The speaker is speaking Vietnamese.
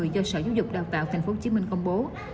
do sở giáo dục đào tạo tp hcm công bố